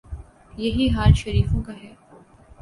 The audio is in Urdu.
یہی حال شریفوں کا ہے۔